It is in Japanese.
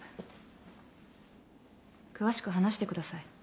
詳しく話してください